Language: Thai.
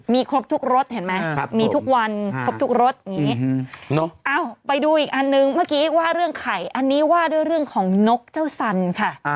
มีครบทุกรถเห็นไหมมีทุกวันครบทุกรถอย่างนี้ไปดูอีกอันนึงเมื่อกี้ว่าเรื่องไข่อันนี้ว่าด้วยเรื่องของนกเจ้าสันค่ะ